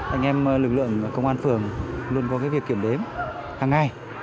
anh em lực lượng công an phường luôn có cái việc kiểm đếm hàng ngày